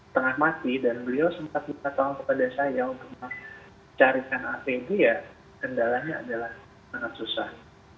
tengah mati dan beliau sempat minta tolong kepada saya untuk mencarikan apd ya kendalanya adalah sangat susah